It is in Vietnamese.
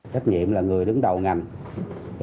trách nhiệm là người đứng đầu ngành